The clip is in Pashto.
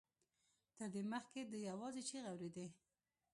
تر دې مخکې ده يوازې چيغې اورېدې.